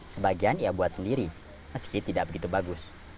sebagian ia buat sendiri meski tidak begitu bagus